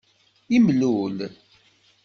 Imlul.